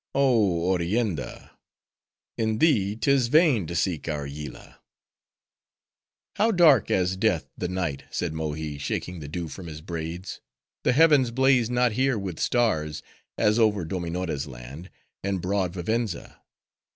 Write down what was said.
—Oh, Orienda, in thee 'tis vain to seek our Yillah!" "How dark as death the night!" said Mohi, shaking the dew from his braids, "the Heavens blaze not here with stars, as over Dominora's land, and broad Vivenza."